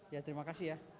ya terima kasih ya